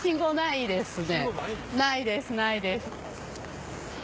ないですないです。